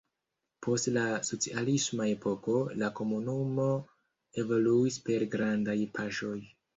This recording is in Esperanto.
Post la socialisma epoko, la komunumo evoluis per grandaj paŝoj.